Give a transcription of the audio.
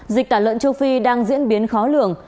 dịch tả lợn châu phi đang diễn biến khó lường